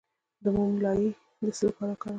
د موم لایی د څه لپاره وکاروم؟